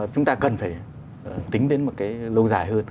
chúng ta cần phải tính đến một cái lâu dài hơn